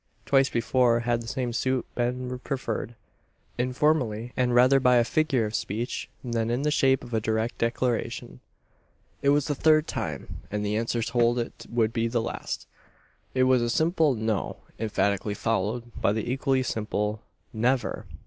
Twice before had the same suit been preferred; informally, and rather by a figure of speech than in the shape of a direct declaration. It was the third time; and the answer told it would be the last. It was a simple "No," emphatically followed by the equally simple "Never!"